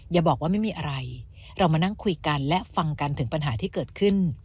อย่าบอกว่าไม่มีอะไรเรามานั่งคุยกันและฟังกันถึงปัญหาที่เกิดขึ้น